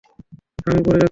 আমি উপরে যাচ্ছি।